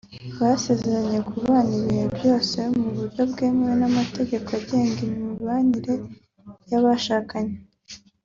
Basezeranye kubana ibihe byose mu buryo bwemewe n’amategeko agena imibanire y’abashakanye